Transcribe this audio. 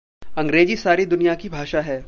अंग्रेज़ी सारी दुनिया की भाषा है।